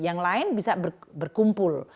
yang lain bisa berkumpul